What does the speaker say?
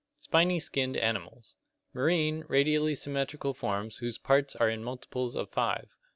Spiny skinned animals. Marine, radially symmetrical forms whose parts are in multiples of five.